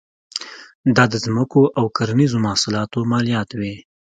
دا د ځمکو او کرنیزو محصولاتو مالیات وې.